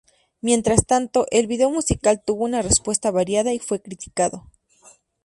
Mientras tanto, el video musical tuvo una respuesta variada y fue criticado.